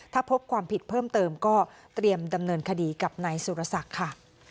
ถ้าพบความผิดเพิ่มเติมก็เตรียมดำเนินคดีกับนายสุรศักดิ์ค่ะ